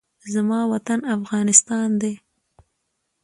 زما وطن افغانستان ده